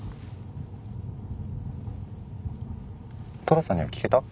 寅さんには聞けた？